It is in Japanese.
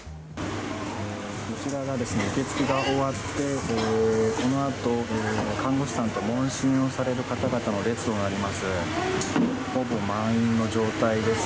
こちらが受け付けが終わってこの後看護師さんと問診をされる方々の列となります。